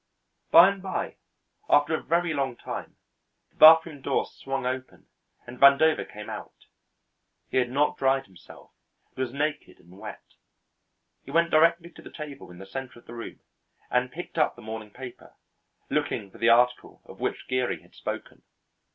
By and by, after a very long time, the bathroom door swung open, and Vandover came out. He had not dried himself and was naked and wet. He went directly to the table in the centre of the room and picked up the morning paper, looking for the article of which Geary had spoken.